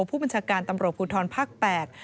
ผู้บัญชาการตำรวจกุธรภาค๘